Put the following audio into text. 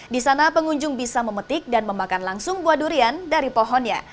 di sana pengunjung bisa memetik dan memakan langsung buah durian dari pohonnya